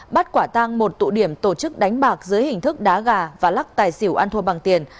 bắt quả tang một tụ điểm tổ chức đánh bạc dưới hình thức đá gà và lắc tài xỉu ăn thua bằng tiền